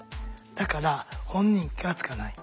だから本人気が付かない。